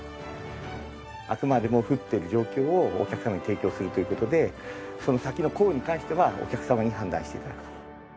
あくまでも降っている状況をお客様に提供するという事でその先の降雨に関してはお客様に判断して頂くと。